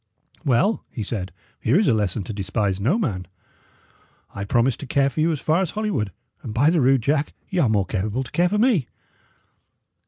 "Well," he said, "here is a lesson to despise no man. I promised to care for you as far as Holywood, and, by the rood, Jack, y' are more capable to care for me."